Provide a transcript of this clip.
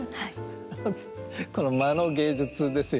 この「間の芸術」ですよね。